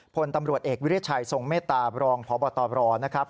พลตำรวจเอกวิทยาชัยทรงเมตตาบรองพบตรนะครับ